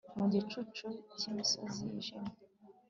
Mu gicucu cyimisozi yijimye